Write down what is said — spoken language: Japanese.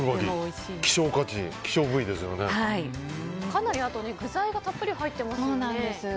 かなり具材がたっぷり入ってますよね。